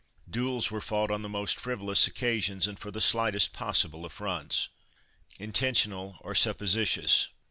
Duels were fought on the most frivolous occasions and for the slightest possible affronts, intentional or supposititious.